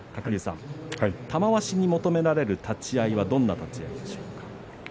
玉鷲に求められる立ち合いはどんな立ち合いでしょうか。